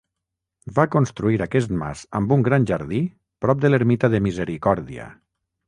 Va construir aquest mas amb un gran jardí prop de l'ermita de Misericòrdia.